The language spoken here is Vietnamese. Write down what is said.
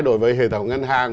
đối với hệ thống ngân hàng